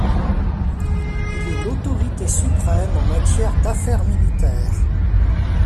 Il est l'autorité suprême en matière d'affaires militaires.